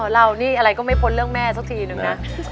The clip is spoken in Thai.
เรานี่อะไรก็ไม่พ้นเรื่องแม่สักทีนึงนะ